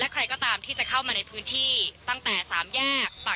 ใครก็ตามที่จะเข้ามาในพื้นที่ตั้งแต่๓แยก